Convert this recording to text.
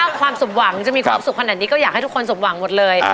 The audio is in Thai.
ถ้าความสมหวังจะมีความสุขขนาดนี้ก็อยากให้ทุกคนสมหวังหมดเลย